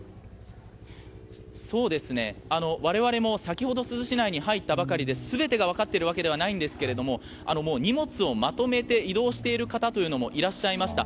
我々も先ほど珠洲市内に入ったばかりで全てが分かっているわけではないんですけれども荷物をまとめて移動している方というのもいらっしゃいました。